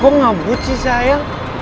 kok ngebut sih sayang